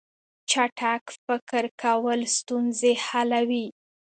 چټک فکر کول ستونزې حلوي.